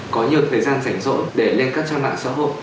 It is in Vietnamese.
có nhiều thời gian rảnh rỗ để lên các trang mạng xã hội